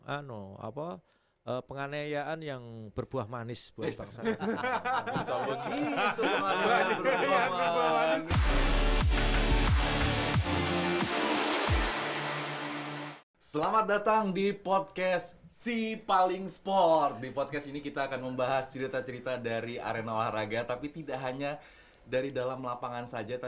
apa penganeian yang berbuah manis buat bangsa